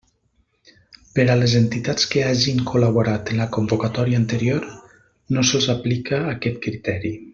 Per a les entitats que hagin col·laborat en la convocatòria anterior, no se'ls aplica aquest criteri.